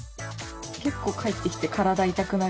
結構帰ってきて体痛くなるよね。